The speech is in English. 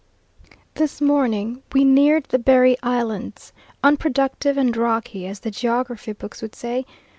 This morning we neared the Berry Islands, unproductive and rocky, as the geography books would say.